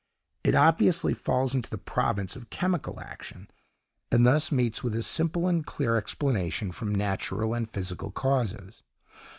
It obviously falls into the province of chemical action, and thus meets with a simple and clear explanation from natural and physical causes.